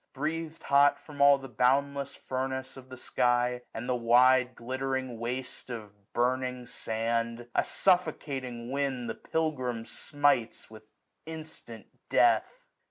Breath'd hot. From all the boundless furnace of the sky. 86 SUMMER. And the wide glittering waste of burning sand, A suffocating wind the pilgrim smites With instant death.